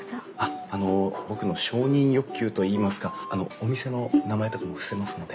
あの僕の承認欲求といいますかあのお店の名前とかも伏せますので。